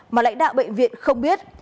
mà lãnh đạo bệnh viện không biết